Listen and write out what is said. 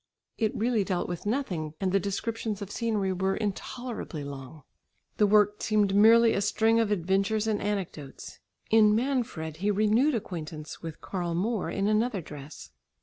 It really dealt with nothing and the descriptions of scenery were intolerably long. The work seemed merely a string of adventures and anecdotes. In "Manfred" he renewed acquaintance with Karl Moor in another dress.